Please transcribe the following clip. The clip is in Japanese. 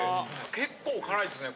・結構辛いっすね